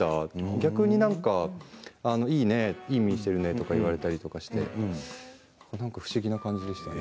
逆にいいねいい耳しているねと言われたりして不思議な感じでしたね。